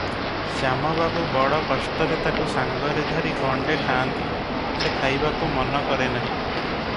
ଶ୍ୟାମ ବାବୁ ବଡ଼ କଷ୍ଟରେ ତାକୁ ସାଙ୍ଗରେ ଧରି ଗଣ୍ଡେ ଖାଆନ୍ତି, ସେ ଖାଇବାକୁ ମନକରେ ନାହିଁ ।